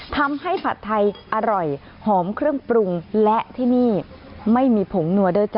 ผัดไทยอร่อยหอมเครื่องปรุงและที่นี่ไม่มีผงนัวเด้อจ้